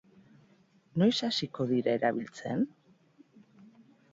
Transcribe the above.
Noiz hasiko dira erabiltzen?